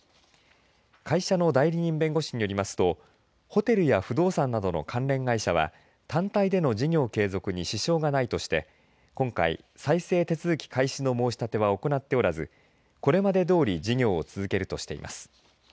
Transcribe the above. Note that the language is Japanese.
会社の代理人弁護士によりますとホテルや不動産などの関連会社は単体での事業継続に支障がないとして今回、再生手続き開始の申し立ては行っておらずこれまでどおり事業を続けるとしています。